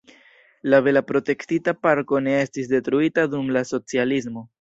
La bela protektita parko ne estis detruita dum la socialismo.